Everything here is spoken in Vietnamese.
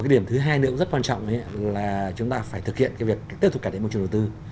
điểm thứ hai nữa cũng rất quan trọng là chúng ta phải thực hiện việc tiếp tục cải thiện môi trường đầu tư